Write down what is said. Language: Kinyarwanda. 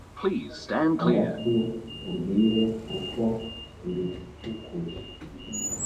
amatwi nkubwire uko iritukuj